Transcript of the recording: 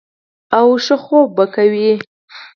او ښۀ خوب به کوي -